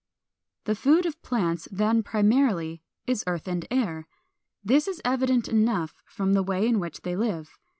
446. =The Food of plants=, then, primarily, is earth and air. This is evident enough from the way in which they live.